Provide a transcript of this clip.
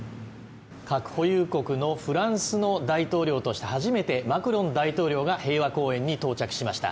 核保有国のフランスの大統領として初めてマクロン大統領が平和公園に到着しました。